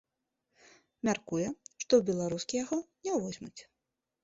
Мяркуе, што ў беларускі яго не возьмуць.